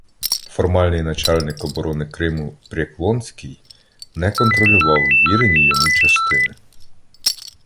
Формальний начальник оборони Криму Прєклонскій не контролював ввірені йому частини.